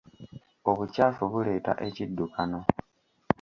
Obukyafu buleeta ekiddukano.